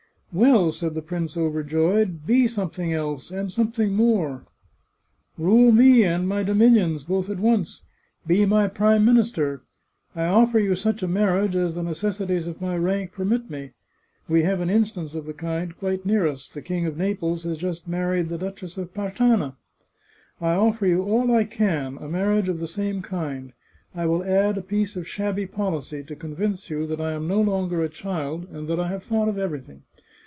" Well," said the prince, overjoyed, " be something else, and something more ! Rule me and my dominions, both at once. Be my Prime Minister. I offer you such a marriage as the necessities of my rank permit me. We have an in stance of the kind quite near us — the King of Naples has just married the Duchess of Partana. I oflfer you all I can — a marriage of the same kind. I will add a piece of shabby policy, to convince you that I am no longer a child, and that I have thought of everything.